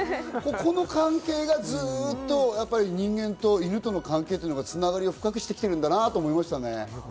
その関係がずっと人間と犬との関係の繋がりを深くしてきているんだなと思いましたね。